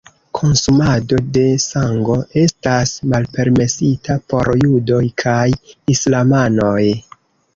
Konsumado de sango estas malpermesita por judoj kaj islamanoj.